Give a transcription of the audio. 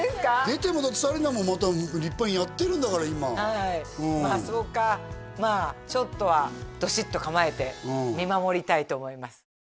出てもだって紗理奈もまた立派にやってるんだから今はいまあそうかまあちょっとはドシッと構えて見守りたいと思います